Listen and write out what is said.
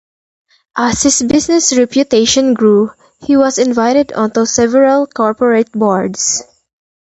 As his business reputation grew, he was invited onto several corporate boards.